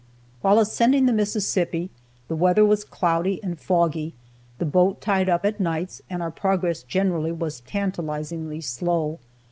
While ascending the Mississippi, the weather was cloudy and foggy, the boat tied up at nights, and our progress generally was tantalizingly slow.